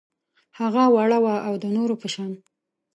هغه وړه وه او د نورو په شان